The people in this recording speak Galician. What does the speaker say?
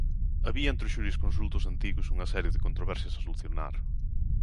Había entre os xurisconsultos antigos unha serie de controversias a solucionar.